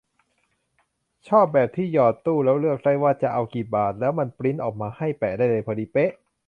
ชอบแบบที่หยอดตู้แล้วเลือกได้เลยว่าจะเอากี่บาท แล้วมันปรินท์ออกมาให้ แปะได้เลย พอดีเป๊ะ